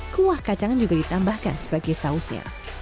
kuah kacangan juga ditambahkan sebagai sausnya